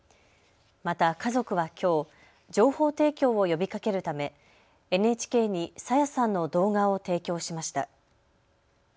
また家族はきょう、情報提供を呼びかけるためＮＨＫに朝芽さんの動画を提供しました。